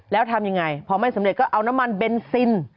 แล้วทำยังไงพอไม่สำเร็จก็เอาน้ำมันเบนซิน